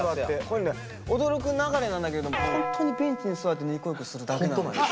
驚くなかれなんだけどホントにベンチに座って日光浴するだけなの。